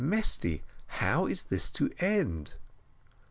"Mesty, how is this to end?"